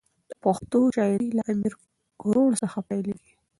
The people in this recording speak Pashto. د پښتو شاعري له امیر ګروړ څخه پیلېږي.